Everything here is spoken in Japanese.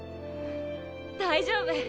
大丈夫！